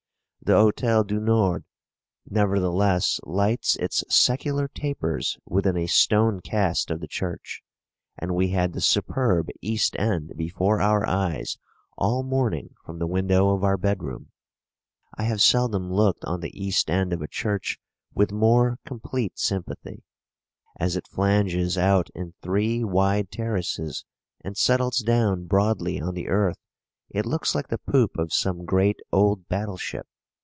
The Hôtel du Nord, nevertheless, lights its secular tapers within a stone cast of the church; and we had the superb east end before our eyes all morning from the window of our bedroom. I have seldom looked on the east end of a church with more complete sympathy. As it flanges out in three wide terraces and settles down broadly on the earth, it looks like the poop of some great old battle ship.